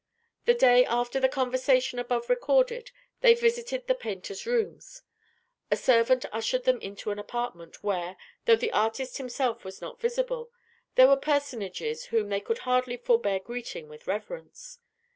The day after the conversation above recorded, they visited the painter's rooms. A servant ushered them into an apartment, where, though the artist himself was not visible, there were personages whom they could hardly forbear greeting with reverence.